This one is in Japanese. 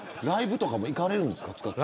ライブとかも行かれるんですか。